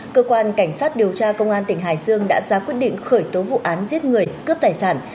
cơ quan cảnh sát điều tra công an tỉnh hải dương đã ra quyết định khởi tố vụ án giết người cướp tài sản